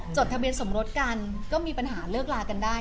จดทะเบียนสมรสกันก็มีปัญหาเลิกลากันได้